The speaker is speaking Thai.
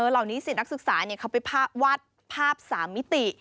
เหล่านี้สินักศึกษาเนี่ยเขาไปวาดภาพสามมิติ